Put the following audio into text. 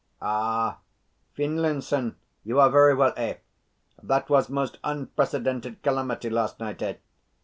Ah, Finlinson, you are very well, eh? That was most unprecedented calamity last night, eh?